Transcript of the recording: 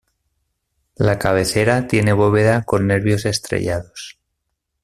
La cabecera tiene bóveda con nervios estrelladas.